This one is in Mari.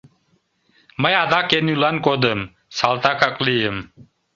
Мый адак эн ӱлан кодым, салтакак лийым.